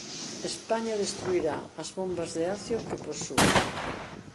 España destruirá as bombas de acio que posúe.